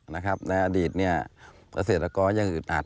ในอดีตเนี่ยเกษตรกรยังอึดอัด